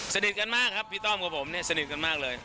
สนิทกันมากครับพี่ต้อมกับผมเนี่ยสนิทกันมากเลย